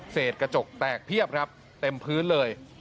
เสร็จกระจกแตกเพียบครับเต็มพื้นเลย